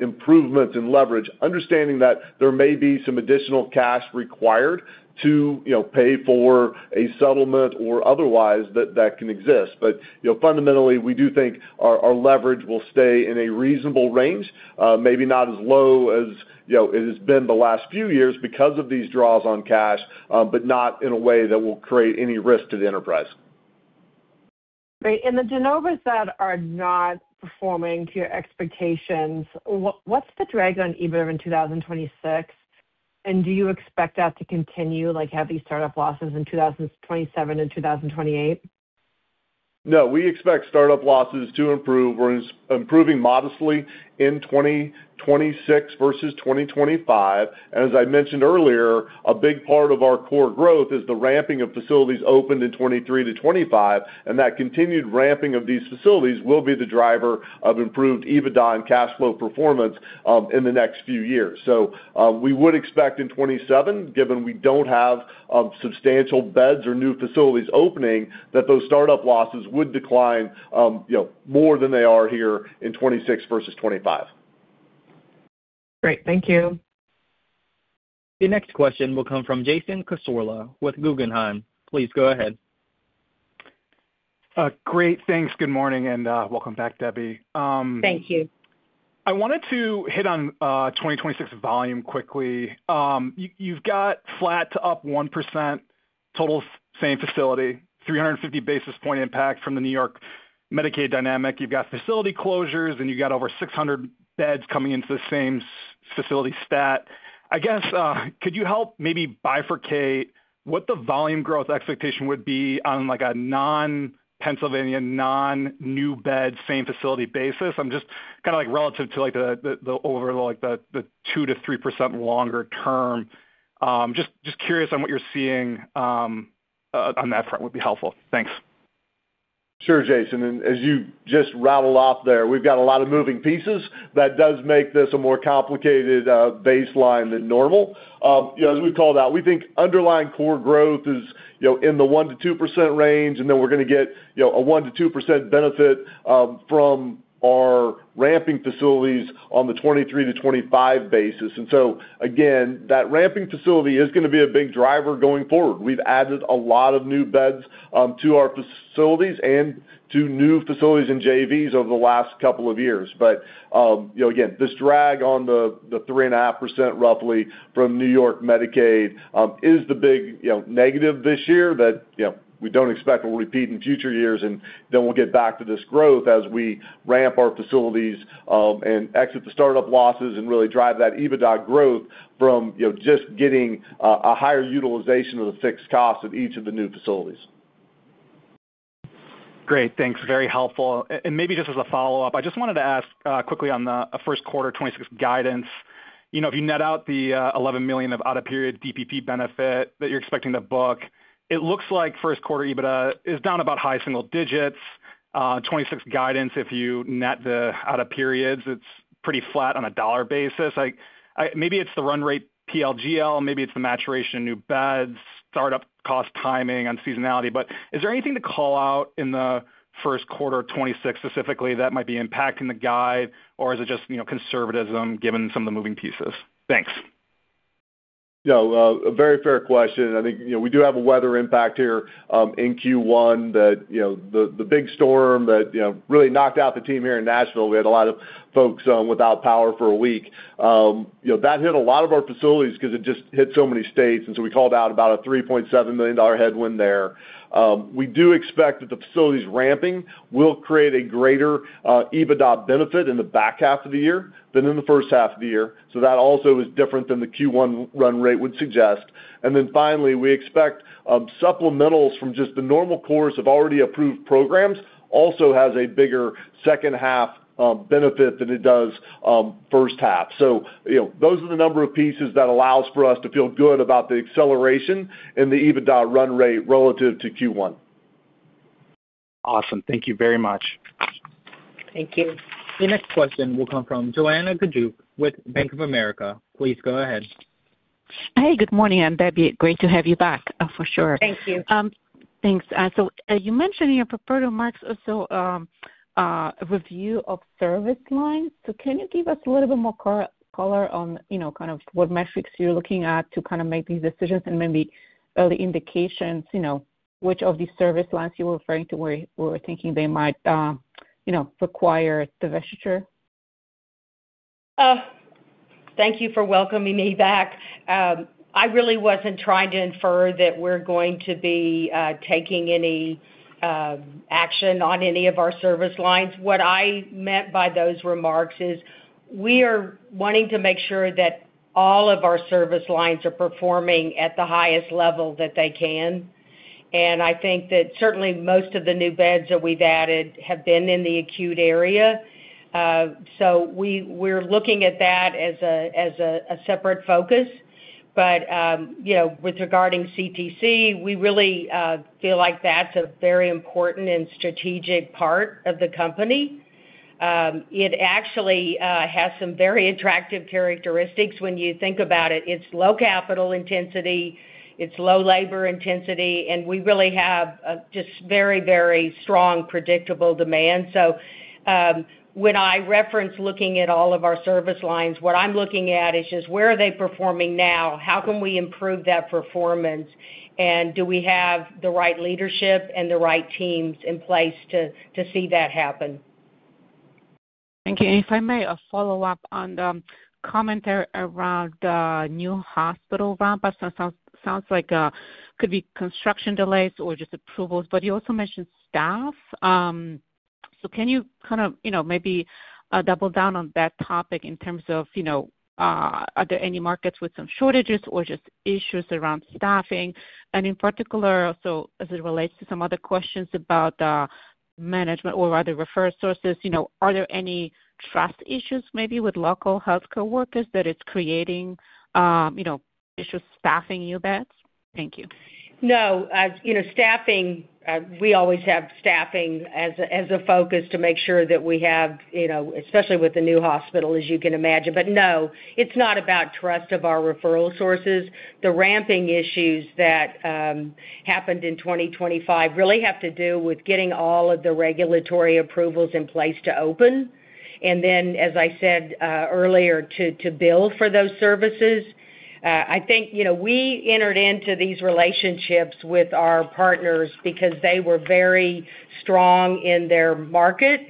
improvement in leverage, understanding that there may be some additional cash required to, you know, pay for a settlement or otherwise that can exist. You know, fundamentally, we do think our leverage will stay in a reasonable range, maybe not as low as, you know, it has been the last few years because of these draws on cash, but not in a way that will create any risk to the enterprise. Great. The de novos that are not performing to your expectations, what's the drag on EBITDA in 2026? Do you expect that to continue, like, have these startup losses in 2027 and 2028? No, we expect startup losses to improve. We're improving modestly in 2026 versus 2025. As I mentioned earlier, a big part of our core growth is the ramping of facilities opened in 23 to 25, and that continued ramping of these facilities will be the driver of improved EBITDA and cash flow performance in the next few years. We would expect in 27, given we don't have substantial beds or new facilities opening, that those startup losses would decline, you know, more than they are here in 26 versus 25. Great. Thank you. The next question will come from Jason Cassorla with Guggenheim. Please go ahead. Great, thanks. Good morning, and welcome back, Debbie. Thank you. I wanted to hit on 2026 volume quickly. You've got flat to up 1% total, same facility, 350 basis point impact from the New York Medicaid dynamic. You've got facility closures, and you've got over 600 beds coming into the same facility stat. I guess, could you help maybe bifurcate what the volume growth expectation would be on, like, a non-Pennsylvania, non-new bed, same facility basis? I'm just kinda, like, relative to, like, the overall, like, the 2%-3% longer term. Just curious on what you're seeing on that front would be helpful. Thanks. Sure, Jason, as you just rattled off there, we've got a lot of moving pieces that does make this a more complicated, baseline than normal. You know, as we've called out, we think underlying core growth is, you know, in the 1%-2% range, and then we're gonna get, you know, a 1%-2% benefit, from our ramping facilities on the 23 to 25 basis. Again, that ramping facility is gonna be a big driver going forward. We've added a lot of new beds, to our facilities and to new facilities and JVs over the last couple of years. You know, again, this drag on the 3.5%, roughly, from New York Medicaid, is the big, you know, negative this year that, you know, we don't expect will repeat in future years. Then we'll get back to this growth as we ramp our facilities, and exit the startup losses and really drive that EBITDA growth from, you know, just getting a higher utilization of the fixed cost of each of the new facilities. Great, thanks, very helpful. Maybe just as a follow-up, I just wanted to ask quickly on the first quarter 2026 guidance. You know, if you net out the $11 million of out-of-period DPP benefit that you're expecting to book, it looks like first quarter EBITDA is down about high single digits. 2026 guidance, if you net the out-of-periods, it's pretty flat on a dollar basis. Like, maybe it's the run rate PLGL, maybe it's the maturation of new beds, startup cost, timing on seasonality, but is there anything to call out in the first quarter of 2026 specifically that might be impacting the guide, or is it just, you know, conservatism given some of the moving pieces? Thanks. Yeah, well, a very fair question. I think, you know, we do have a weather impact here in Q1 that, you know, the big storm that, you know, really knocked out the team here in Nashville. We had a lot of folks without power for a week. You know, that hit a lot of our facilities because it just hit so many states. We called out about a $3.7 million headwind there. We do expect that the facilities ramping will create a greater EBITDA benefit in the back half of the year than in the first half of the year. That also is different than the Q1 run rate would suggest. Finally, we expect supplementals from just the normal course of already approved programs also has a bigger second half benefit than it does first half. You know, those are the number of pieces that allows for us to feel good about the acceleration and the EBITDA run rate relative to Q1. Awesome. Thank you very much. Thank you. The next question will come from Joanna Gajuk with Bank of America. Please go ahead. Hey, good morning, Debbie Osteen, great to have you back, for sure. Thank you. Thanks. You mentioned in your prepared remarks also, review of service lines. Can you give us a little bit more color on, you know, kind of what metrics you're looking at to kind of make these decisions and maybe early indications, you know, which of these service lines you were referring to, where you were thinking they might, you know, require divestiture? Thank you for welcoming me back. I really wasn't trying to infer that we're going to be taking any action on any of our service lines. What I meant by those remarks is we are wanting to make sure that all of our service lines are performing at the highest level that they can, and I think that certainly most of the new beds that we've added have been in the acute area. We're looking at that as a separate focus. You know, with regarding CTC, we really feel like that's a very important and strategic part of the company. It actually has some very attractive characteristics when you think about it. It's low capital intensity, it's low labor intensity, and we really have a just very, very strong, predictable demand. When I reference looking at all of our service lines, what I'm looking at is just where are they performing now? How can we improve that performance? Do we have the right leadership and the right teams in place to see that happen? Thank you. If I may, a follow-up on the comment around the new hospital ramp-up. Sounds like could be construction delays or just approvals, but you also mentioned staff. Can you kind of, you know, maybe double down on that topic in terms of, you know, are there any markets with some shortages or just issues around staffing? In particular, also, as it relates to some other questions about management or other referral sources, you know, are there any trust issues maybe with local healthcare workers that it's creating, you know, issues staffing you beds? Thank you. As you know, staffing, we always have staffing as a focus to make sure that we have, you know, especially with the new hospital, as you can imagine. It's not about trust of our referral sources. The ramping issues that happened in 2025 really have to do with getting all of the regulatory approvals in place to open. As I said, earlier, to bill for those services. I think, you know, we entered into these relationships with our partners because they were very strong in their market.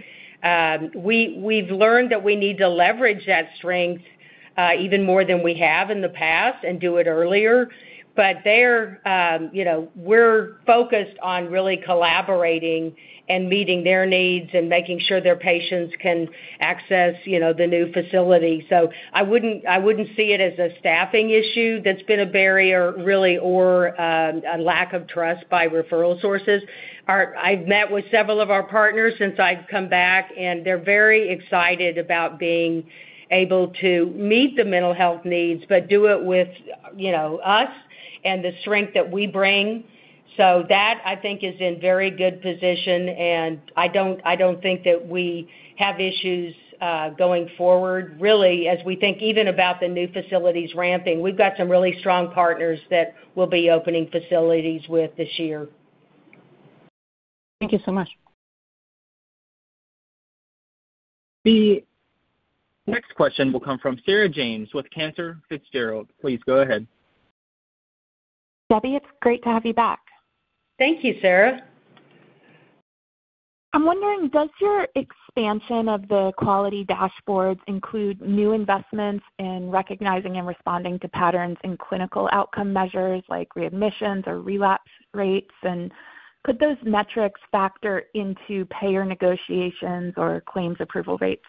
We've learned that we need to leverage that strength- even more than we have in the past and do it earlier. They're, you know, we're focused on really collaborating and meeting their needs and making sure their patients can access, you know, the new facility. I wouldn't, I wouldn't see it as a staffing issue that's been a barrier, really, or a lack of trust by referral sources. I've met with several of our partners since I've come back, and they're very excited about being able to meet the mental health needs, but do it with, you know, us and the strength that we bring. That, I think, is in very good position, and I don't, I don't think that we have issues going forward. Really, as we think even about the new facilities ramping, we've got some really strong partners that we'll be opening facilities with this year. Thank you so much. The next question will come from Sarah James with Cantor Fitzgerald. Please go ahead. Debbie, it's great to have you back. Thank you, Sarah. I'm wondering, does your expansion of the quality dashboards include new investments in recognizing and responding to patterns in clinical outcome measures like readmissions or relapse rates? Could those metrics factor into payer negotiations or claims approval rates?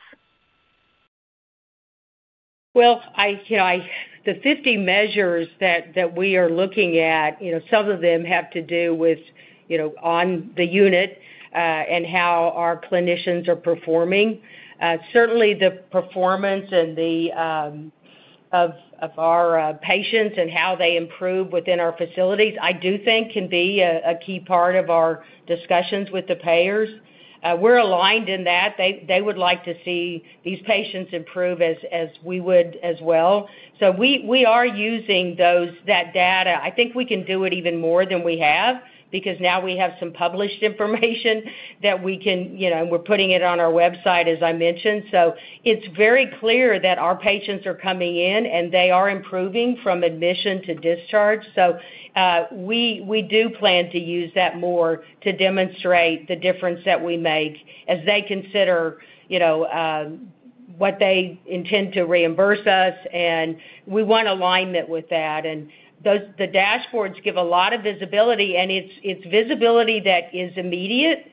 Well, I, you know, The 50 measures that we are looking at, you know, some of them have to do with, you know, on the unit, and how our clinicians are performing. Certainly, the performance and the of our patients and how they improve within our facilities, I do think can be a key part of our discussions with the payers. We're aligned in that. They would like to see these patients improve as we would as well. We are using those, that data. I think we can do it even more than we have, because now we have some published information that we can, you know, we're putting it on our website, as I mentioned. It's very clear that our patients are coming in, and they are improving from admission to discharge. We do plan to use that more to demonstrate the difference that we make as they consider, you know, what they intend to reimburse us, and we want alignment with that. The dashboards give a lot of visibility, and it's visibility that is immediate,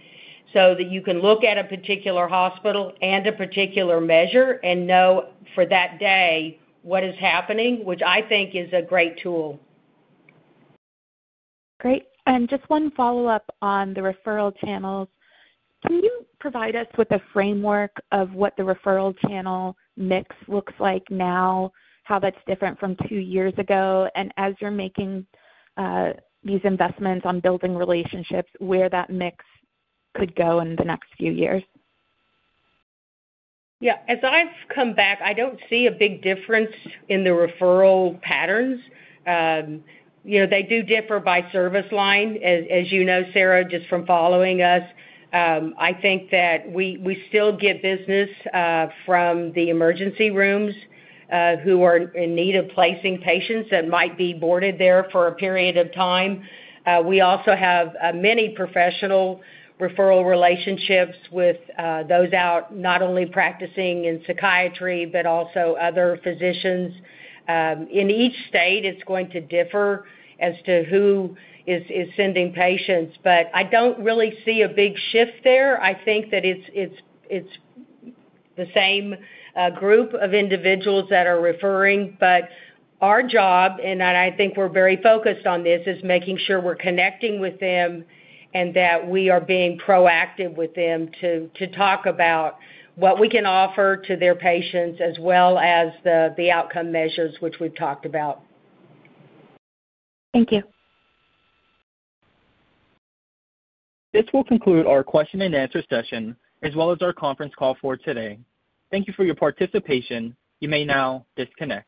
so that you can look at a particular hospital and a particular measure and know for that day what is happening, which I think is a great tool. Great. Just one follow-up on the referral channels. Can you provide us with a framework of what the referral channel mix looks like now, how that's different from two years ago, and as you're making these investments on building relationships, where that mix could go in the next few years? As I've come back, I don't see a big difference in the referral patterns. you know, they do differ by service line, as you know, Sarah, just from following us. I think that we still get business from the emergency rooms, who are in need of placing patients that might be boarded there for a period of time. We also have many professional referral relationships with those out, not only practicing in psychiatry, but also other physicians. In each state, it's going to differ as to who is sending patients, but I don't really see a big shift there. I think that it's the same group of individuals that are referring. Our job, and I think we're very focused on this, is making sure we're connecting with them and that we are being proactive with them to talk about what we can offer to their patients, as well as the outcome measures, which we've talked about. Thank you. This will conclude our question and answer session, as well as our conference call for today. Thank you for your participation. You may now disconnect.